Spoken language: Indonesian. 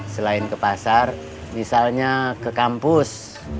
selain ke pasar misalnya ke kampus